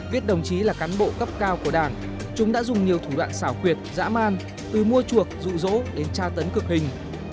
viết đồng chí là cán bộ cấp cao của đảng chúng đã dùng nhiều thủ đoạn xảo quyệt dã man từ mua chuộc rụ rỗ đến tra tấn cực hình